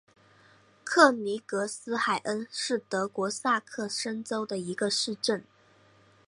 克尼格斯海恩是德国萨克森州的一个市镇。